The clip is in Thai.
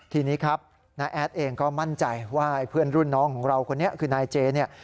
ทีนี้ครับน้าแอดเองก็มั่นใจว่าเพื่อนรุ่นน้องของเราคนนี้คือนายเจเนี่ย